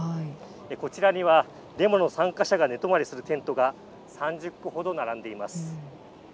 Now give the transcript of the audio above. こちらにはデモの参加者が寝泊まりするテントが３０個ほど並んでいます。